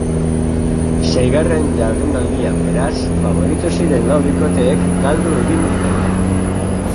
Seigarren jardunaldian beraz, faborito ziren lau bikoteek galdu egin dute.